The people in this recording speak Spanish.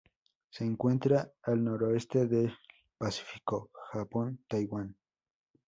Se encuentra al noroeste del Pacífico: Japón y Taiwán.